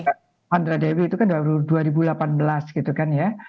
sandra dewi itu kan dua ribu delapan belas gitu kan ya